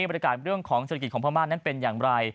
เรื่องของเศรษฐกิจของพม่านั้นเป็นอย่างไร